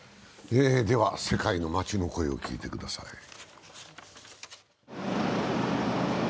世界の街の声を聞いてください。